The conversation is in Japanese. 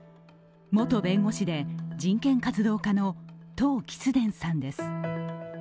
元弁護士で、人権活動家の唐吉田さんです。